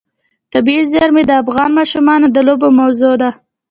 طبیعي زیرمې د افغان ماشومانو د لوبو موضوع ده.